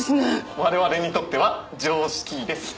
我々にとっては常識です。フフフフ。